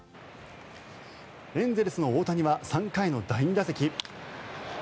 エンゼルスの大谷は３回の第２打席。